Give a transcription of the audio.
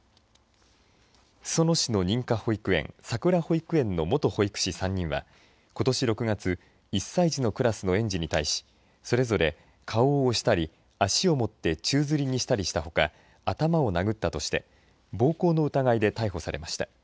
裾野市の認可保育園さくら保育園の元保育士３人はことし６月１歳児のクラスの園児に対しそれぞれ顔を押したり足を持って宙づりにしたしたほか頭を殴ったとして、暴行の疑いで逮捕されました。